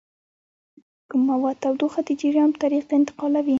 کوم مواد تودوخه د جریان په طریقه انتقالوي؟